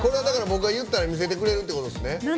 僕が言ったら見せてくれるってことですね。